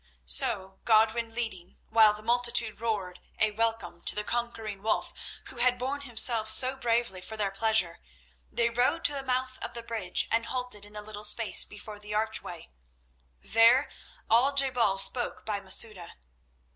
So, Godwin leading, while the multitude roared a welcome to the conquering Wulf who had borne himself so bravely for their pleasure, they rode to the mouth of the bridge and halted in the little space before the archway. There Al je bal spoke by Masouda.